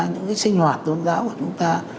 những cái sinh hoạt tôn giáo của chúng ta